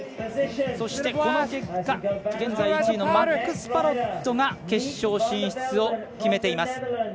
そして、この結果現在１位のマックス・パロットが決勝進出を決めています。